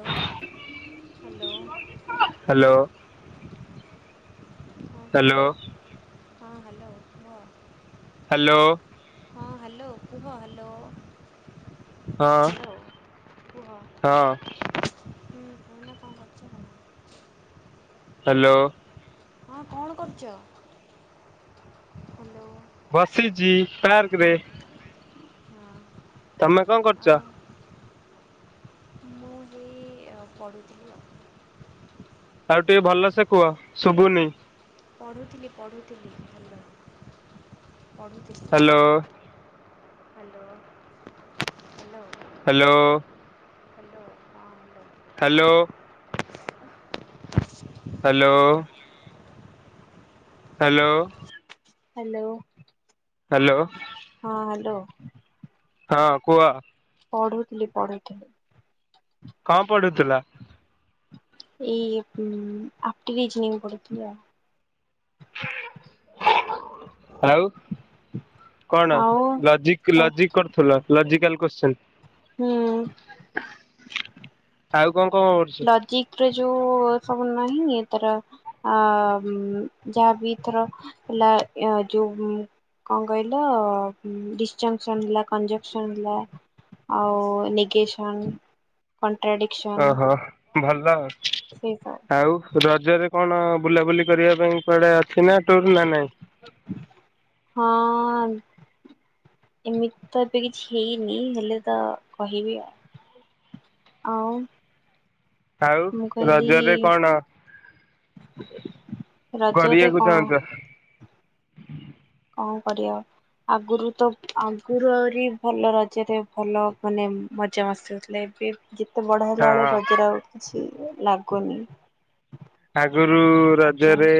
Hello hello. Hello ହଁ କୁହ hello. ହଁ ହ୍ୟାଲୋ କୁହ। ହ୍ୟାଲୋ। ହଁ ହ୍ୟାଲୋ କୁହ ହ୍ୟାଲୋ। ହଁ ହ୍ୟାଲୋ କୁହ ହଁ। ହୁଁ ଏଇନା କଣ କରୁଚ? ହ୍ୟାଲୋ। ହଁ କଣ କରୁଚ? ବସିଚି ପାର୍କରେ। ହଁ ତମେ କଣ ଆଉ କରୁଚ? ମୁଁ ଏଇ ପଢ଼ୁଥିଲି ଆଉ। ଆଉ ଟିକେ ଭଲସେ କୁହ ଶୁଭୁନି। ପଢ଼ୁଥିଲି ପଢ଼ୁଥିଲି ଭଲ ପଢ଼ୁଥିଲି। Hello. Hello hello. Hello. Hello ହଁ କୁହ। Hello. Hello. Hello. Hello. Hello. ହଁ ହ୍ୟାଲୋ। ହଁ କୁହ। ପଢ଼ୁଥିଲି ପଢ଼ୁଥିଲି। କଣ ପଢୁଥୁଲ? ଏଇ ଆପଟିରିଜିନିଙ୍ଗ୍ ପଢ଼ୁଥିଲି ଆଉ। ଆଉ କଣ ଆଉ ଲଜିକ୍ ଆଉ ଲଜିକ୍? କରୁଥିଲ ଲଜିକାଲ କରୁସନ୍ତି। ହୁଁ। ଆଉ କଣ [inaudible] କିକ ର ଜଉ ସବୁ ନାହିଁ ତାର। ଆ ଯାହାବି ଥର ହେଲା ଯୋଉ କଣ କହିଲ ଡିସଂସନ ହେଲା କଂଜକସନ ହେଲା। ଆଉ ନିଗେସନ କଣ୍ଟ୍ରାଡ଼ିକ। ଓହୋ ଭଲ ଆଉ। ଥିବ। ଆଉ ରଜରେ କଣ ବୁଲାବୁଲି କରିବା ପାଇଁ କୁଆଡେ ଅଛି ନା ଟୁର ନା ନାଇଁ? ହଁ ଅଁ ଏମିତି ତ ଏବେ କିଛି ହେଇନି ହେଲେ ତ କହିବି ଆଉ। ଆଉ। ଆଉ ମୁଁ କହିଲି ରଜରେ କଣ? ରଜରେ କରିବାକୁ କଣ ଚାହୁଁଛ? କଣ କରିବା ଆଉ। ଆଗରୁ ତ ଆଗରୁ ଆହୁରି ଭଲ ରଜରେ ଭଲ ମାନେ ମଜା ମସ୍ତି ହଉଥିଲା ଏବେ ଟିକେ ବଡ ହେଲା ଏଳେ ହଁ ରଜରେ ଆଉ କିଛି ଲାଗୁନି। ଆଗରୁ ରଜ ରଜରେ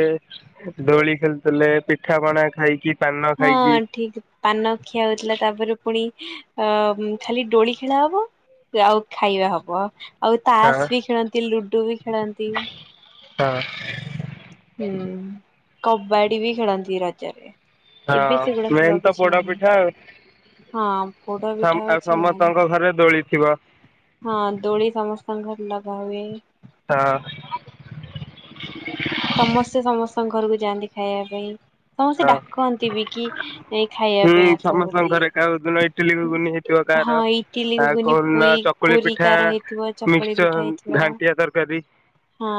ଦୋଳି ଖେଳୁଥିଲେ ପି ପିଠାପଣା ଖାଇକି ପାନ ହଁ ଖାଇକି ଠିକ ପାନ ଖିଆ ହଉଥିଲା ତାପରେ ପୁଣି ଅ ଖାଲି ଡୋଳି ଖେଳା ହବ ଆଉ ଖାଇବା ହବ ଆଉ ହଁ ତାସ ବି ଖେଳନ୍ତି ଲୁଡୁ ବି ଖେଳନ୍ତି। ହଁ। ହୁଁ କବାଡ଼ି ବି ଖେଳନ୍ତି ରଜରେ। ଏବେ ହଁ ସେଗୁଡ଼ାକ ମେନ୍ ଆଉକିଛି ତ କିଛି ପୋଡ ପିଠା ନାହିଁ। ହଁ ପୋଡା ଆଉ ପିଠା ଆଉ ହଉଛି ସମସ୍ତଙ୍କ ଘରେ ଦୋଳି ଥିବ ନାଇଁ। ହଁ ଦୋଳି ସମସ୍ତଙ୍କ ଘରେ ଲଗାହୁଏ। ହଁ। ସମସ୍ତେ ସମସ୍ତଙ୍କ ଘରକୁ ଯାଆନ୍ତି ଖାଇବା ପାଇଁ। ହଁ ସିଏ ଡାକନ୍ତି ବି କିଏ ଖାଇବା ହୁଁ ପାଇଁ ଆସ ସମସ୍ତଙ୍କ ବୋଲି। ଘରେ କାହା ଦିନ ଇଟିଲି ଘୁଗୁନି ହେଇଥିବ କାହାର ହଁ ଇଟିଲି ଆଉ ଘୁଗୁନି କୋଉଦିନ ପୁରୀ ଚକୁଳି ପୁରୀ ପିଠା କାର ହେଇଥିବ ଚକୁଳି ପିଠା ମିକ୍ସଚର ହେଇଥିବ ଘାଣ୍ଟିଆ ତରକାରୀ ହଁ।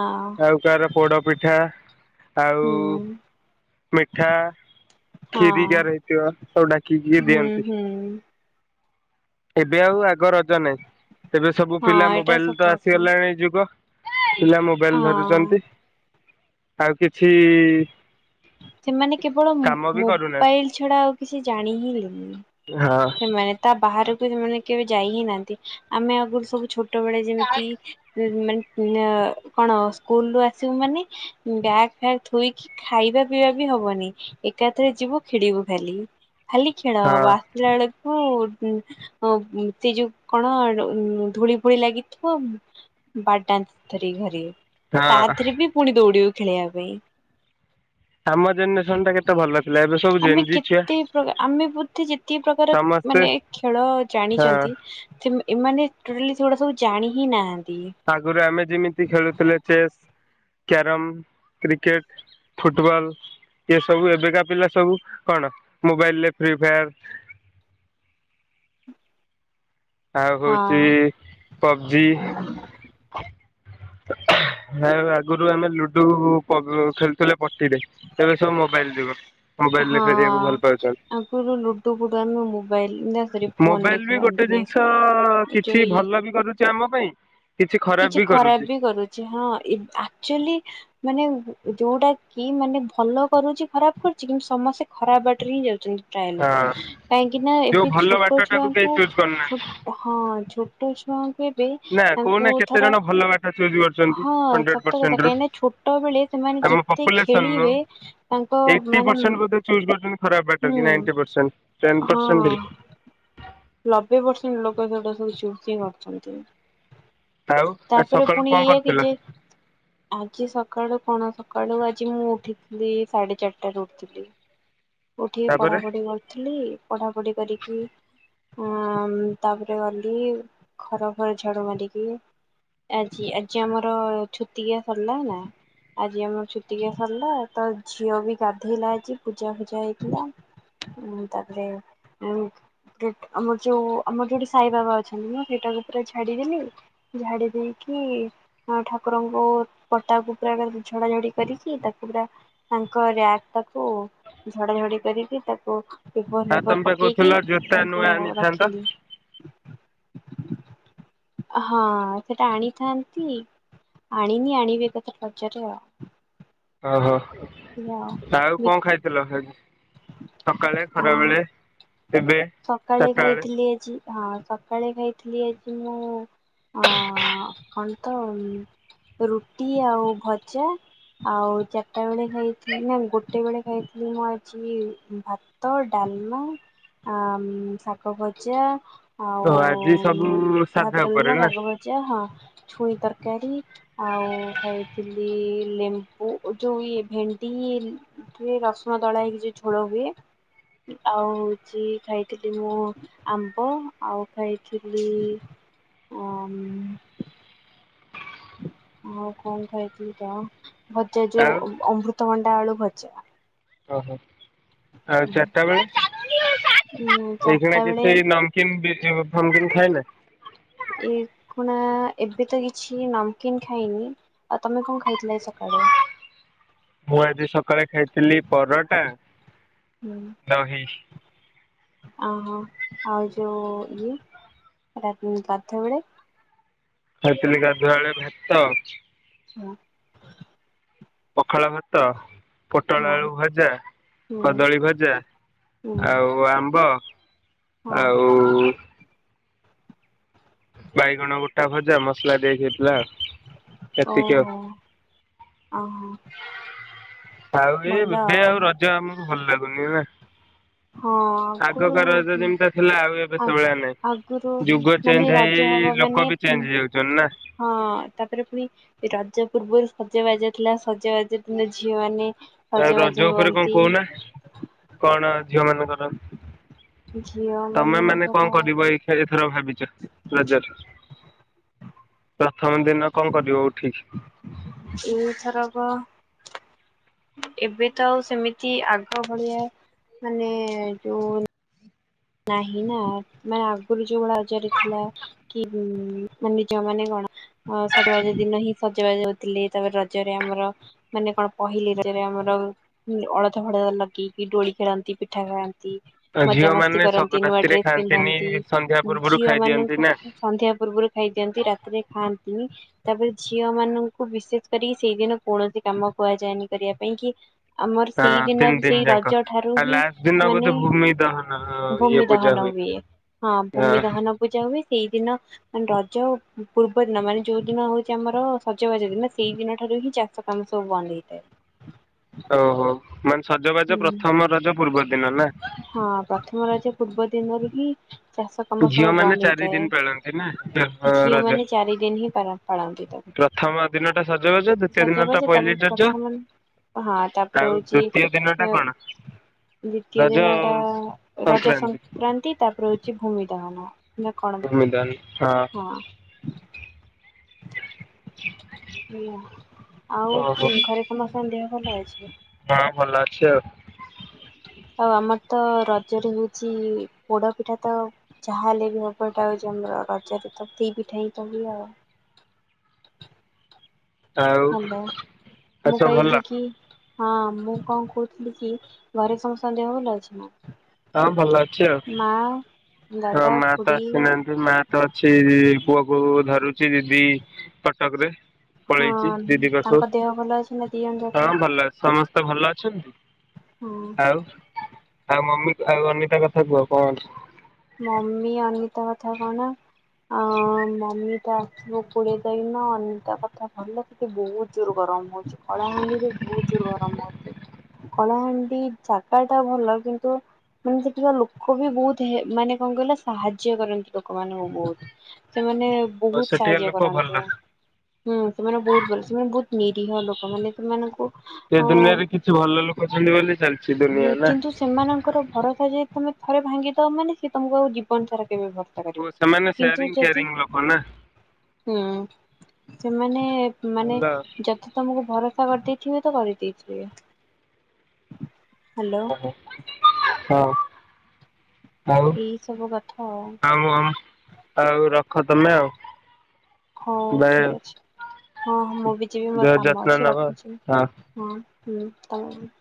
ଆଉ କାହର ପୋଡ ପିଠା ଆଉ ହୁଁ ମିଠା ହଁ ଖ୍ଷିରିକାର ହେଇଥିବ ସବୁ ଡାକିକି ହୁଁ ଦିଅନ୍ତି। ହୁଁ। ଏବେ ଆଉ ଆଗ ରଜ ନାହିଁ ଏବେ ସବୁ ହଁ ପିଲା ଏଇଟା ମୋବାଇଲ ସତ ତ କଥା ଆସିଗଲାଣି ଯୁଗ। ପିଲା ମୋବାଇଲ ହଁ ଧରୁଛନ୍ତି ଆଉ କିଛି ସେମାନେ କେବଳ କାମ ବି କରୁନାହାନ୍ତି ମୋବାଇଲ ଛଡା ଆଉ କିଛି ଜାଣି ହିଁ [inaudible] ହଁ ସେମାନେ। ନାଁ ବାହାରକୁ ସେମାନେ କେବେ ଯାଇ ହି ନାହାନ୍ତି ଆମେ ଆଗରୁ ସବୁ ଛୋଟବେଳେ ଯେମିତି ମାନେ କଣ ସ୍କୁଲ ରୁ ଆସିବୁ ମାନେ ବ୍ୟାଗ ଫ୍ୟାଗ ଥୋଇକି ଖାଇବା ଠିଆ ବି ହବନି ଏକାଥରେ ଯିବୁ ଖେଳିବୁ ଖାଲି ଖାଲି ଖେଳ ହଁ ହବ। [inaudible] ଅ ସେ ଯୋଉ କଣ ଧୂଳି ଫୁଳି ଲାଗିଥିବ। ବାଡାନ୍ତି ଧରିକି ଘରେ ତା ହଁ। ଦେହେରେ ବି ପୁଣି ଦୌଡିବୁ ଖେଳିବା ପାଇଁ। [inaudible] ଭଲ ଥିଲା ଏବେ ସବୁ ଆମେ ଜେନଜି ଛୁଆ କେତେ ପ୍ରକାର ଆମେ ବୋଧେ ଯେତିକି ପ୍ରକାର ସମସ୍ତେ ମାନେ ଖେଳ ହଁ ଜାଣିଚନ୍ତି କିନ୍ତୁ ଏମାନେ ଟୋଟାଲି ସେଗୁଡା ସବୁ ଜାଣି ହିଁ ନାହାନ୍ତି। ଆଗରୁ ଆମେ ଯେମିତି ଖେଳୁଥିଲେ ଚେସ୍, କ୍ୟାରମ୍, କ୍ରିକେଟ୍ ଫୁଟବଲ୍ ଇଏ ସବୁ ଏବେକା ପିଲା ସବୁ କଣ ମୋବାଇଲ୍ ରେ ଫ୍ରି ଫାୟାର୍ ଆଉ ହଁ ହଉଚି ପବ୍ଜି ଆଉ ଆଗରୁ ଆମେ ଲୁଡୁ ଖେଳୁଥିଲେ ପଟିରେ ଏବେ ସବୁ ମୋବାଇଲ୍ ଯୁଗ। ମୋବାଇଲରେ ହଁ ଖେଳିବାକୁ ଭଲ ପାଉଛନ୍ତି ଆଗରୁ ଲୁଡୁ ଫୁଡୁ ଆମ ମୋବାଇଲ୍ [unintelligible] ମୋବାଇଲ୍ ବି ଗୋଟେ ଜିନିଷ ଯୋଉ କିଛି ଇଏ ଭଲ ବି କରୁଚି ଆମ ପାଇଁ କିଛି ଖରାପ୍ ବି କରୁଚି। ହଁ ଏ ଆକ୍ଚୁଆଲି ମାନେ ଯୋଉଟା କି ମାନେ ଭଲ କରୁଚି ଖରାପ୍ କରୁଚି କିନ୍ତୁ ସମସ୍ତେ ଖରାପ୍ ବାଟରେ ହିଁ ଯାଉଚନ୍ତି। ପ୍ରାୟ ଲୋକ ହଁ କାହିଁକି ନା ଯୋଉ ଏବେ ଭଲ ଛୋଟ ବାଟଟାକୁ କେହି ଛୁଆଙ୍କୁ ଚୁଜ୍ କରୁନାହାନ୍ତି ହଁ ଛୋଟ ଛୁଆଙ୍କୁ ବି ମାନେ କେତେ ଜଣ ଭଲ ବାଟ ଚୁଜ୍ କରୁଚନ୍ତି ହଣ୍ଡରେଡ ସତ କଥା ପରସେଣ୍ଟରୁ କାହିଁକି ନା ଛୋଟ ବେଳେ ସେମାନେ ଆମ ଯେତେ ପପୁଲେସନ୍ ରୁ ଖେଳିବେ ତାଙ୍କ ଏଇଟି ମାନେ ପର୍ସେଣ୍ଟ ବୋଧେ ଚୁଜ୍ କରୁଚନ୍ତି ଖରାପ୍ ବାଟ କି ନାଇଣ୍ଟି ହୁଁ ପର୍ସେଣ୍ଟ ଟେନ୍ ପରସେଣ୍ଟ ବି। ଲବେ ପରସେଣ୍ଟ ଲୋକ ସେଟା ସବୁ ଚୁଜ୍ ହିଁ କରୁଚନ୍ତି। ଆଉ ତାପରେ ସକାଳୁ ପୁଣି କଣ ଇଆ କି କରୁଥିଲ ଯେ ଆଜି ସକାଳୁ କଣ ସକାଳୁ ଆଜି ମୁଁ ଉଠିଥିଲି ସାଢେ ଚାରିଟାରୁ ଉଠିଥିଲି ଉଠି ତାପରେ ପଢାପଢି କରୁଥିଲି ପଢାପଢି କରିକି ହଁ ତାପରେ ଗଲି ଘର ଫର ଝାଡ଼ୁ ମାରିକି ଆଜି-ଆଜି ଆମର ଛୁତିକିଆ ସରିଲା ନା ଆଜି ଆମର ଛୁତିକିଆ ସରିଲା ତା ଝିଅ ବି ଗାଧେଇଲା ଆଜି ପୂଜା ଯାଇଥିଲା ଉଁ ତାପରେ ଉଁ ଆମର ଯୋଉ ଆମର ଯୋଉଠି ସାଇ ବାବା ଅଛନ୍ତି ମୁଁ ସେଇଟାକୁ ପୁରା ଛାଡିଦେଲି ଝାଡି ଦେଇକି ହଁ ଠାକୁରଙ୍କୁ ପଟାକୁ ପୁରା ଝଡାଝଡି କରିକି ତାକୁ ପୁରା ତାଙ୍କ [unintelligible] ଟାକୁ ଝଡାଝଡି କରିକି ତାକୁ ପେପର୍ ଆଉ ତମେ ଫେପର୍ ବା ପକେଇକି କହୁଥିଲ ଜୋତା ତାଙ୍କୁ ନୂଆ ଆଣିଥାନ୍ତ ରଖିଲି। ହଁ ସେଟା ଆଣିଥାନ୍ତି ଆଣିନି ଆଣିବି ଏକାଥରେ ବଜାରୁ ଆଉ। ଓହୋ ଆଉ ବି କଣ ଖାଇଥିଲ [unintelligible] ସକାଳେ ଆ ଖରାବେଳେ ଏବେ ସକାଳେ ଚାରିଟା ବେଳେ। ଖାଇଥିଲି ଆଜି ହଁ ସକାଳେ ଖାଇଥିଲି ଆଜି ମୁଁ ଅ କଣ ତ ରୁଟି ଆଉ ଭଜା ଆଉ ଚାରିଟା ବେଳେ ଖାଇଥିଲି ନା ଗୋଟେ ବେଳେ ଖାଇଥିଲି ମୁଁ ଚି ଭାତ ଡାଲମା ଆ ଶାଗ ଭଜା ଓ ଆଜି ଆଉ ସବୁ ସାଧା ଭାତ ଉପରେ ଡାଲମା ନା ଶାଗ ଭଜା ହଁ ଛୁଇଁ ତରକାରୀ ଆଉ ଖାଇଥିଲି ଲେମ୍ୱୁ ଏଯୋଉ ଇଏ ଭେଣ୍ଡି କି ରସୁଣ ଦଳା ହେଇକି ଯୋଉ ଝୋଳ ହୁଏ ଆଉ ହଉଚି ଖାଇଥିଲି ମୁଁ ଆମ୍ବ ଆଉ ଖାଇଥିଲି ଅମ୍ ଆଉ କଣ ଖାଇଥିଲି ତ ଭଜା ଆଉ ଯୋଉ ଅମୃତଭଣ୍ଡା ଆଳୁ ଭଜା। ଓହୋ, ଆଉ ଚାରିଟା ବେଳେ ଉଁ ଏଇ ଚାରିଟା କିନା ବେଳେ କିଛି ନମକିନ୍ ପିଜି ଫମକିନ୍ ଖାଇଲେ ଏ ଖୁଣା ଏବେ ତ କିଛି ନମକିନ୍ ଖାଇନି ଆଉ ତମେ କଣ ଖାଇଥିଲ ଆଜି ସକାଳେ ମୁଁ ଆଜି ସକାଳେ ଖାଇଥିଲି ପରଟା ଦହି ଓହୋ ଆଉ ଯୋଉ ଇଏ ରାତି ପାର୍ଥ ବେଳେ ଖାଇଥିଲି ଗାଧୁଆବେଳେ ଭାତ ହଁ ପଖାଳ ଭାତ ପୋଟଳ ଆଳୁ ଭଜା ହୁଁ କଦଳୀ ଭଜା ହୁଁ ଆଉ ଆମ୍ବ ହଁ ଆଉ ବାଇଗଣ ଗୋଟା ଭଜା ମସଲା ଦେଇକି ହେଇଥିଲା ଆଉ ଏତିକି ଆଉ। ଓହୋ ଆଉ ଆଉ ବି ଭଲ ଏବେ ଆଉ ରଜ ଆମକୁ ଭଲ ଲାଗୁନି ବା ହଁ ଆଗକା ରଜ ଆଗରୁ ଯେମିତିଆ ଥିଲା ଆଉ ଏବେ ସେ ଆଗ ଭଳିଆ ଆଗରୁ ନାହିଁ ଯୁଗ ମାନେ ଚେଞ୍ଜ ରଜ ହେଇ ହବ ହେଇ ମାନେ ଲୋକ ବି ଚେଞ୍ଜ ହେଇଯାଉଚନ୍ତି ନା ହଁ ତାପରେ ପୁଣି ରଜ ପୂର୍ବରୁ ସଜ ବାଜ ଥିଲା ସଜ ବାଜ ଦିନ ଝିଅ ମାନେ ଆଉ ରଜ ସଜବାଜ ଉପରେ କଣ ହୁଅନ୍ତି କହୁନା କଣ ଝିଅ ମାନଙ୍କର ଝିଅ ତମେ ମାନେ ମାନଙ୍କର କଣ କରିବ ଏଇ ଏଇଥର ଭାବିଛ ରଜରେ ପ୍ରଥମ ଦିନ କଣ କରିବ ଉଠିକି ଏଇ ଥରକ ଏବେ ତ ଆଉ ସେମିତି ଆଗ ଭଳିଆ ମାନେ ଯୋଉ ନାହିଁ ନା ମାନେ ଆଗରୁ ଯୋଉ ଭଳି ରଜରେ ଥିଲା କି ହୁଁ ମାନେ ଯୋଉମାନେ କଣ ଅ ସଜବାଜ ଦିନ ହିଁ ସଜବାଜ ହଉଥିଲେ ତାପରେ ରଜରେ ଆମର ମାନେ କଣ ପହିଲି ରଜରେ ଆମର ଅଳତା ଫଳତା ଲଗେଇକି ଦୋଳି ଖେଳନ୍ତି ପିଠା ଖାଆନ୍ତି ଆଉ ଝିଅମାନେ ମଜାମସ୍ତି କରନ୍ତି ନୂଆ ଡ୍ରେସ ପିନ୍ଧନ୍ତି ପୂର୍ବରୁ ଝିଅ ଖାଇଦିଅନ୍ତି ମାନଙ୍କୁ ନା। ସନ୍ଧ୍ୟା ପୂର୍ବରୁ ଖାଇ ଦିଅନ୍ତି ରାତିରେ ଖାଆନ୍ତିନି ତାପରେ ଝିଅ ମାନଙ୍କୁ ବିଶେଷ କରିକି ସେଇଦିନ କୌଣସି କାମ କୁହାଯାଏନି କରିବା ପାଇଁ କି ଆମର ହଁ ସେଇଦିନ ତିନି ଦିନ ସେଇ ଯାକ ରଜ ଠାରୁ ଆଉ ହିଁ ଲାଷ୍ଟ ଦିନ ବୋଧେ ମାନେ ଭୂମି ଦହନ ହଁ ଭୂମି ଦହନ ହୁଏ ହଁ ଭୂମି ଦହନ ପୂଜା ହୁଏ ସେଇଦିନ ମାନେ ରଜ ପୂର୍ବ ଦିନ ମାନେ ଯୋଉ ଦିନ ହଉଛି ଆମର ସଜବାଜ ଦିନ ସେଇ ଦିନଠାରୁ ହିଁ ଚାଷ ଷ କାମ ସବୁ ବନ୍ଦ ହେଇଯାଏ ଓହୋ ମାନେ ସଜବାଜ ପ୍ରଥମ ରଜ ପୂର୍ବ ଦିନ ନା ହଁ ପ୍ରଥମ ରଜ ପୂର୍ବ ଦିନରୁ ହିଁ ଚାଷ କାମ ସବୁ ଝିଅ ମାନେ ବନ୍ଦ ଚାରି ଦିନ ପାଳନ୍ତି ନା ହେଇଥାଏ ଝିଅ ରଜ। ମାନେ ଚାରି ଦିନ ହିଁ ପାଳ ପାଳନ୍ତି ପ୍ରଥମ ଦିନ ଟା ସଜବାଜ ତାକୁ ଦ୍ଵିତୀୟ ଦିନ ଟା ସଜବାଜ ପହିଲି ତାପରେ ରଜ ପ୍ରଥମ ହଁ ତାପରେ ଆଉ ହଉଚି ଦ୍ଵିତୀୟ ଦିନ ଟା କଣ ଦ୍ଵିତୀୟ ରଜ ଦିନ ଟା ରଜ ସଂକ୍ରାନ୍ତି ତାପରେ ହଉଛି ଭୂମି ଦହନ ନା କଣ ଭୂମି ଦହନ ହଁ ହେଲା ଆଉ ଓହୋ ଘରେ ସମସ୍ତଙ୍କ ଦେହ ଭଲ ଅଛି? ହଁ ଭଲ ଅଛି ଆଉ। ଆଉ ଆମର ତ ରଜରେ ହଉଛି ପୋଡ ପିଠା ତ ଯାହା ହେଲେ ବି ହବ ଏଇଟା ହଉଛି ଆମର ରଜରେ ତ [unintelligible] ହୁଏ ଆଉ। ଆଉ ହାଲୋ ଆଉ ମୁଁ ସବୁ ଭଲ କଇଲି କି ହଁ ମୁଁ କଣ କହୁଥିଲି କି ଘରେ ସମସ୍ତଙ୍କ ଦେହ ଭଲ ଅଛି ନା। ହଁ ଭଲ ଅଛି ଆଉ ମା ହଁ ଦାଦା ମା ତ ଖୁଡି ଆସିନାହାନ୍ତି ମା ତ ଅଛି ପୁଅ କୁ ଧରୁଛି ଦିଦି କଟକ ରେ। ହଁ ପଳେଇଛି ଦିଦି ତାଙ୍କ ଦେହ ଭଲ ଅଛି ନା ଦି ଜଣ ପାଖକୁ ହଁ ଯାକଙ୍କର? ଭଲ ଅଛି। ସମସ୍ତେ ଭଲ ଅଛନ୍ତି ହଁ ଆଉ ଆଉ ମମି ଆଉ ଅନିତା କଥା କୁହ କଣ କି? ମମି ଅନିତା କଥା କଣ? ଆ ମମି ଟା ଆସିବ କୋଡିଏ ତାରିଖ ଦିନ ଅନିତା କଥା ଭଲ। ସେଠି ବହୁତ ଜୋର ଗରମ ହଉଛି କଳାହାଣ୍ଡିରେ ବହୁତ ଜୋର ଗରମ ହଉଛି। କଳାହାଣ୍ଡି ଜାଗା ଟା ଭଲ କିନ୍ତୁ ମାନେ ସେଠିକା ଲୋକ ବି ବହୁତ ହେ ମାନେ କଣ କହିଲ ସାହାଯ୍ୟ କରନ୍ତି ଲୋକମାନଙ୍କୁ ବହୁତ ସେମାନେ ଓ ବହୁତ ସେଠିକା ସାହାଯ୍ୟ ଲୋକ ଭଲ। କରନ୍ତି। ହୁଁ ସେମାନେ ବହୁତ ଭଲ ସେମାନେ ବହୁତ ନିରୀହ ଲୋକମାନେ ମାନେ ସେମାନଙ୍କୁ ସେ ଦୁନିଆରେ ହଁ କିଛି ଭଲ ଲୋକ ଅଛନ୍ତି ବୋଲି ଚାଲିଛି ଦୁନିଆ ନା। କିନ୍ତୁ ସେମାନଙ୍କର ଭରସା ଯଦି ତମେ ଥରେ ଭାଙ୍ଗିଦବ ମାନେ ସିଏ ତମକୁ ଆଉ ଜୀବନ ସାରା କେବେ ଭର କରିବେନି ଓ ସେମାନେ କିନ୍ତୁ ସେୟାରିଂ ଯଦି। କେୟାରିଂ ଲୋକ ନା ହୁଁ ସେମାନେ ମାନେ ଭଲ। ଜ ତମକୁ ଭରସା କରିଦେଇଥିବେ ତ କରିଦେଇଥିବେ। ହ୍ୟାଲୋ ଓ ହ ହଁ। ଆଉ ଏଇ ସବୁ କଥା ଆଉ [unintelligible] ଆଉ ରଖ ତମେ ଆଉ। ହଉ ବା ଠିକ ଅଛି ହଁ ମୁଁ ବି ଯିବି ମୋର ଦେହ କାମ ଯତ୍ନ ଅଛି ନବ ରଖୁଛି। ହଁ ହୁଁ [unintelligible]